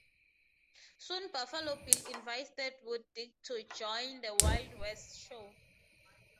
Soon Buffalo Bill invites Deadwood Dick to join the Wild West Show.